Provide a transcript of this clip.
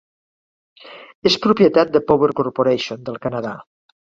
És propietat de Power Corporation del Canadà.